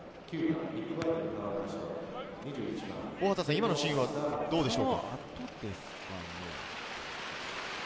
今のシーンはどうでしょう？